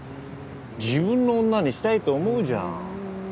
自分の女にしたいと思うじゃん。